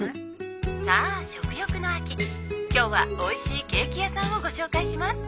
今日はおいしいケーキ屋さんをご紹介します。